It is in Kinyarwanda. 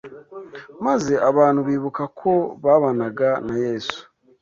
maze abantu bibuka ko babanaga na Yesu